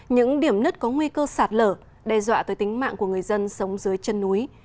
những điểm nứt có nguy cơ sạt lở đe dọa tới tính mạng của người dân sống dưới chân núi